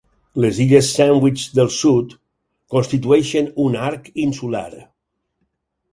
Les Illes Sandwich del Sud constitueixen un arc insular.